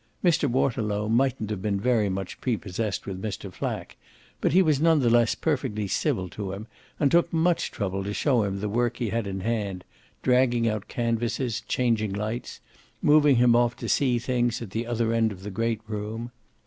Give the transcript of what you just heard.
Mr. Waterlow mightn't have been very much prepossessed with Mr. Flack, but he was none the less perfectly civil to him and took much trouble to show him the work he had in hand, dragging out canvases, changing lights, moving him off to see things at the other end of the great room.